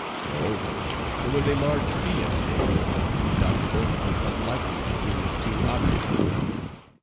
Moreover, there was a large fee at stake, and Dr. Burns was not likely to prove too obdurate.